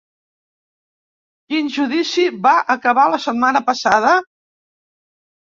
Quin judici va acabar la setmana passada?